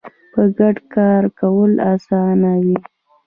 په ګډه کار کول اسانه وي